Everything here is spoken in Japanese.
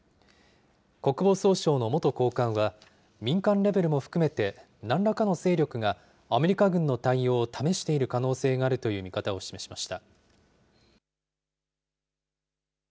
国防総省の元高官は、民間レベルも含めて、なんらかの勢力がアメリカ軍の対応を試している可能性があるという見方を示しました。